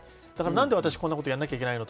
なんでこんなことをやらなきゃいけないの。